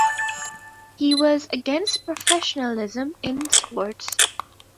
He was against professionalism in sports.